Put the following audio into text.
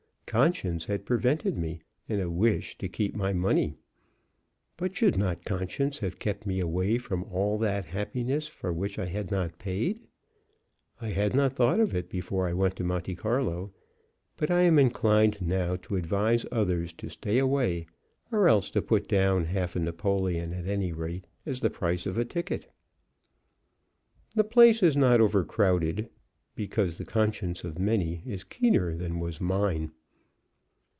Conscience had prevented me, and a wish to keep my money. But should not conscience have kept me away from all that happiness for which I had not paid? I had not thought of it before I went to Monte Carlo, but I am inclined now to advise others to stay away, or else to put down half a napoleon, at any rate, as the price of a ticket. The place is not overcrowded, because the conscience of many is keener than was mine.